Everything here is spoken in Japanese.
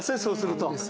そうすると。